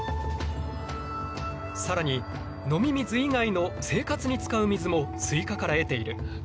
更に飲み水以外の生活に使う水もスイカから得ている。